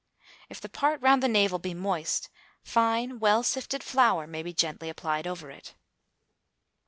If the part round the navel be moist, fine well sifted flour may be gently applied over it.